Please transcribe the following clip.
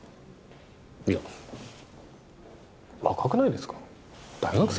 いや若くないですか大学生？